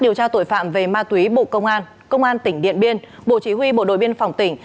điều tra tội phạm về ma túy bộ công an công an tỉnh điện biên bộ chỉ huy bộ đội biên phòng tỉnh